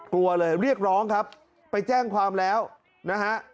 กลัวเลยเรียกร้องครับไปแจ้งความแล้วนะฮะ